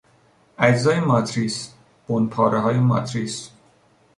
اجزای ماتریس، بنپارههای ماتریس